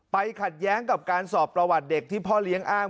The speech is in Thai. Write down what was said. ขัดแย้งกับการสอบประวัติเด็กที่พ่อเลี้ยงอ้าง